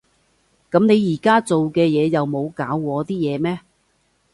噉你而家做嘅嘢又冇搞禍啲嘢咩？